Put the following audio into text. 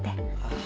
ああ。